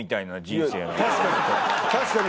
確かに。